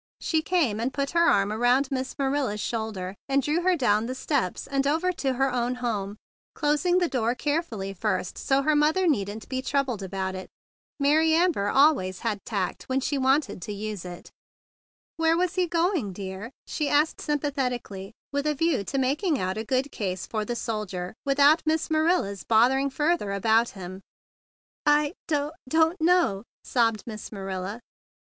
She came and put her arm around Miss Manila's shoulder, and drew her down the steps and over to her own home, closing the door carefully first so that her mother need not be troubled about it. Mary Amber always had tact when she wanted to use it. THE BIG BLUE SOLDIER 115 "Where was he going, dear?" she asked sympathetically, with a view to making out a good case for the soldier without Miss Marilla's bothering fur¬ ther about him. "I—do don't know!" sobbed Miss Marilla.